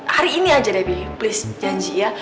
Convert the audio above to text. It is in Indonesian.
hari ini aja deh bi please janji ya